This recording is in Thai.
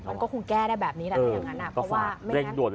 มันก็คงแก้ได้แบบนี้แหละอย่างนั้นนะ